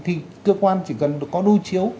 thì cơ quan chỉ cần có đôi chiếu